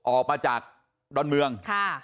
ออกมาจากดอนเมือง